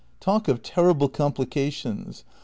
Talk of terrible complications